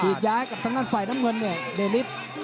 ฉีดย้ายกับทางด้านไฟน้ำเงินเนี่ยเดริต